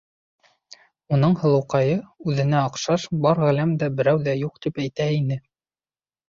Уның һылыуҡайы уҙенә оҡшаш бар ғаләмдә берәү ҙә юҡ тип әйтә ине.